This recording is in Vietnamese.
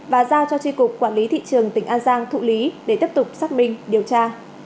và giao cho tri cục quản lý thị trường tỉnh an giang thụ lý để tiếp tục xác minh điều tra